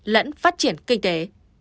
lẫn phát triển kinh tế